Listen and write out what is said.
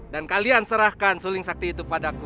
dan kalian serahkan suling sakti itu padaku